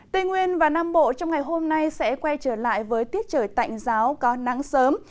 tây nguyên và nam bộ trong ngày hôm nay sẽ quay trở lại với tiết trời tạnh giáo có nắng sớm